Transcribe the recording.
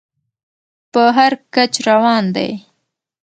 په هر کچ روان دى.